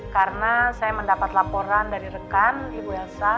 karena saya mendapat laporan dari rekan ibu elsa